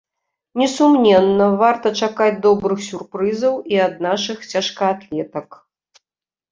Несумненна, варта чакаць добрых сюрпрызаў і ад нашых цяжкаатлетак.